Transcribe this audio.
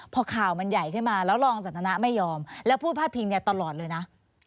พอข่าวมันใหญ่ขึ้นมาแล้วรองสันทนะไม่ยอมแล้วพูดพาดพิงเนี่ยตลอดเลยนะ